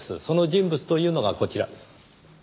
その人物というのがこちら。